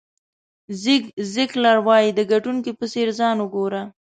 زیګ زیګلر وایي د ګټونکي په څېر ځان وګوره.